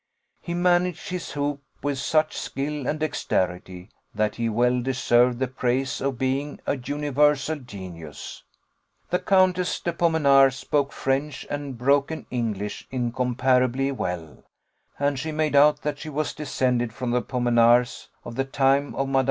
He managed his hoop with such skill and dexterity, that he well deserved the praise of being a universal genius. The Countess de Pomenars spoke French and broken English incomparably well, and she made out that she was descended from the Pomenars of the time of Mad.